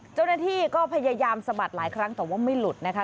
เจ้าหน้าที่ก็พยายามสะบัดหลายครั้งแต่ว่าไม่หลุดนะคะ